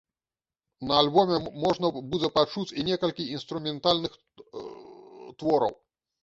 На альбоме можна будзе пачуць і некалькі інструментальных твораў.